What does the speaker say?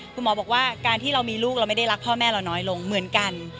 คุณหมอบอกว่าการที่เรามีลูกเราไม่ได้รักพ่อแม่เราน้อยลงเหมือนกัน